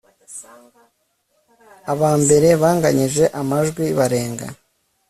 aba mbere banganyije amajwi barenga